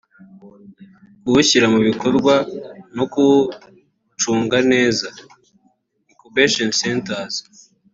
kuwushyira mu bikorwa no kuwucunga neza (incubation centers)